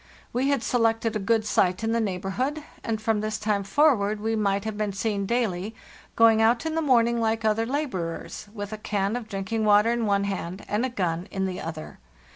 We had selected a good site in the neighborhood, and from this time forward we might have been seen daily going out in the morning like other laborers, with a can of drinking water in one hand and a gun inthe other.